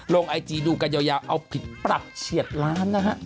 ลงไอจีดูกันยาวเอาผิดปรับเฉียดล้านนะฮะ